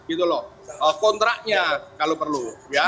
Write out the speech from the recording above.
untuk kontraknya kalau perlu